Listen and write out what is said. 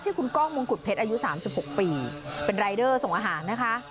ชื่อคุณก้องมงขุดเพชรอายุสามสิบหกปีเป็นรายเดอร์ส่งอาหารนะคะ